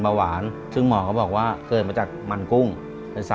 โทรหาคนรู้จักได้ฟังเนื้อเพลงต้นฉบัดร้องผิดได้๑คำ